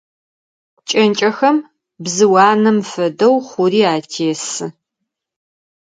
Кӏэнкӏэхэм, бзыу анэм фэдэу, хъури атесы.